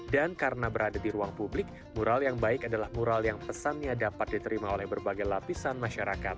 dan karena berada di ruang publik mural yang baik adalah mural yang pesannya dapat diterima oleh berbagai lapisan masyarakat